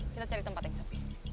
kita cari tempat yang sepi